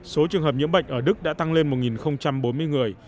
số trường hợp nhiễm bệnh ở đức đã tăng lên một bốn mươi người